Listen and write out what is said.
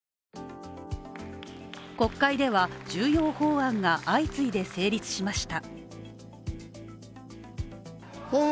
国会では重要法案が相次いで成立しました。